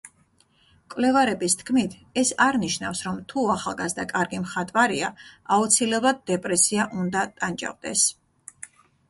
მკვლევარების თქმით, ეს არ ნიშნავს რომ თუ ახალგაზრდა კარგი მხატვარია, აუცილებლად დეპრესია უნდა ტანჯავდეს.